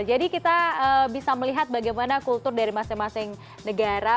jadi kita bisa melihat bagaimana kultur dari masing masing negara